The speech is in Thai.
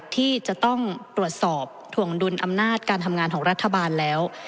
ที่จะต้องตรวจสอบถวงดุลอำนาจการทำงานของรัฐบาลแล้ว